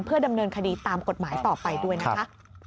ดำเนินคดีตามกฎหมายต่อไปด้วยนะคะ